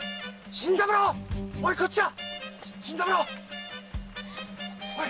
新三郎こっちだ！